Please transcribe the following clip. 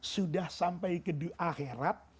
sudah sampai ke akhirat